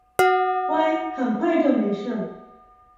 乖，很快就没事了